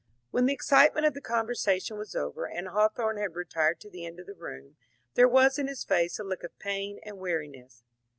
When the excitement of the conversation was over and Hawthorne had retired to the end of the room, there was in his face a look of pain and weariness.